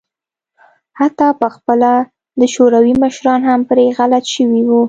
حتی په خپله د شوروي مشران هم پرې غلط شوي وو.